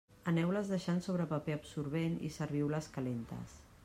Aneu-les deixant sobre paper absorbent i serviu-les calentes.